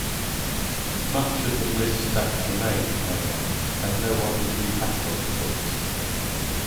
Much of the Bliss stacks remain, however, as no-one has re-cataloged the books.